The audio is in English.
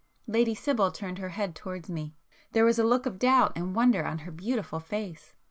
Lady Sibyl turned her head towards me;—there was a look of doubt and wonder on her beautiful face.